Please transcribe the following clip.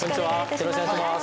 よろしくお願いします。